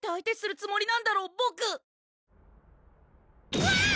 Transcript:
うわっ！